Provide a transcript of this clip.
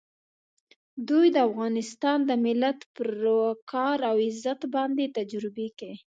دوی د افغانستان د ملت پر وقار او عزت باندې تجربې کوي.